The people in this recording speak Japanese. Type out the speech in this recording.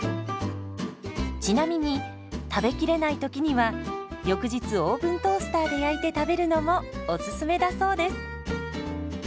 ちなみに食べきれないときには翌日オーブントースターで焼いて食べるのもおすすめだそうです。